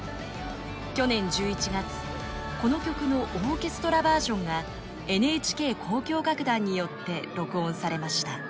去年１１月この曲のオーケストラバージョンがＮＨＫ交響楽団によって録音されました。